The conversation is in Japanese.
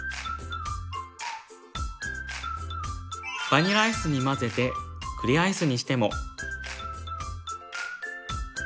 バニラアイスに混ぜて栗アイスにしても。